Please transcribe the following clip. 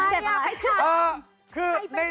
เจ็บอะไรหรืออะไร